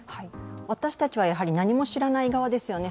私たちはやはり何も知らない側ですよね。